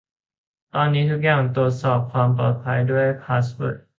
ตอนนี้ทุกอย่างตรวจสอบความปลอดภัยด้วยพาสเวิร์ด